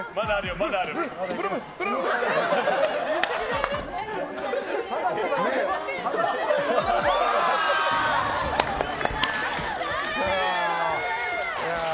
まだあるよ。